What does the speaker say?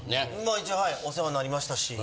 一応はいお世話になりましたし。